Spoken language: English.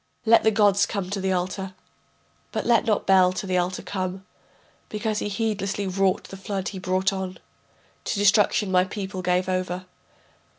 Let the gods come to the altar, But let not Bel to the altar come, Because he heedlessly wrought, the flood he brought on, To destruction my people gave over.